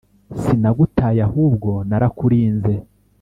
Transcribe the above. sinagutaye ahubwo narakurinze